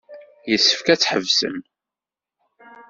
Yessefk ad tḥebsem.